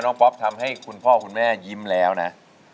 ป๊อปทำให้คุณพ่อคุณแม่ยิ้มแล้วนะ